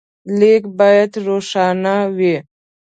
لیک باید روښانه وي.